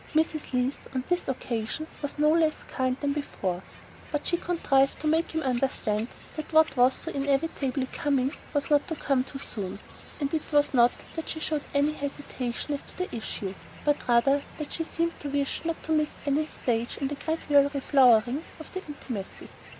Mrs. Leath, on this occasion, was no less kind than before; but she contrived to make him understand that what was so inevitably coming was not to come too soon. It was not that she showed any hesitation as to the issue, but rather that she seemed to wish not to miss any stage in the gradual reflowering of their intimacy.